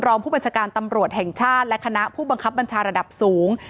รองผู้บัญชาการตำรวจแห่งชาติและคณะผู้บังคับบัญชาระดับสูง